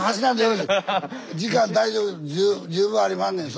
時間大丈夫十分ありまんねん。